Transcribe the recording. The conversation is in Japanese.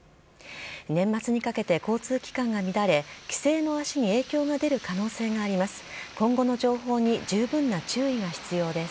年末にかけて交通機関が乱れ、帰省の足に影響が出る可能性があります。